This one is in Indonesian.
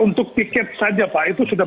untuk tiket saja pak itu sudah